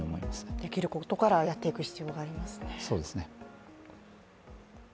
できることからやっていく必要がありますね。